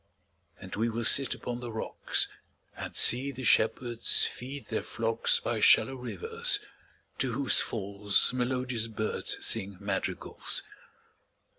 And we will sit upon the rocks, 5 And see the shepherds feed their flocks By shallow rivers, to whose falls Melodious birds sing madrigals.